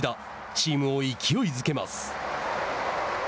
チームを勢いづけます。